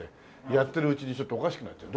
やってるうちにちょっとおかしくなっちゃう。